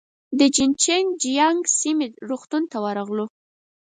د جين چنګ جيانګ سیمې روغتون ته ورغلو.